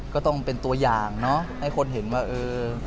ก็ต้องเป็นตัวอย่างเนอะให้คนเห็นว่าเออ